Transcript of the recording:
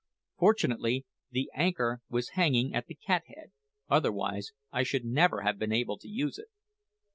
Fortunately the anchor was hanging at the cat head, otherwise I should never have been able to use it.